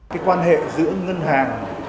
cái quan hệ giữa ngân hàng